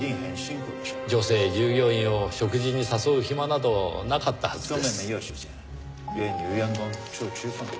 女性従業員を食事に誘う暇などなかったはずです。